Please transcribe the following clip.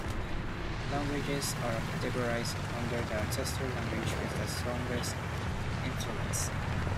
Languages are categorized under the ancestor language with the strongest influence.